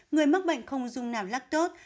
người mắc bệnh không dùng nào lactose